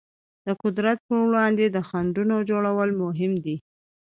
د قدرت پر وړاندې د خنډونو جوړول مهم دي.